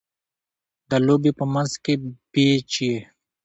د لوبي په منځ کښي پېچ يي.